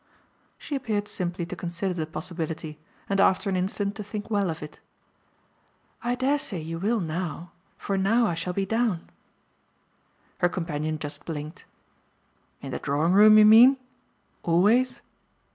She appeared simply to consider the possibility and after an instant to think well of it. "I dare say you will now, for now I shall be down." Her companion just blinked. "In the drawing room, you mean always?"